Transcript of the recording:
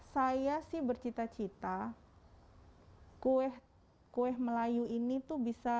saya sih bercita cita kueh melayu ini tuh bisa